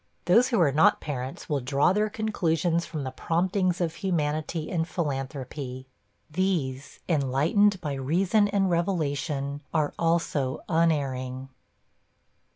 Those who are not parents will draw their conclusions from the promptings of humanity and philanthropy: these, enlightened by reason and revelation, are also unerring.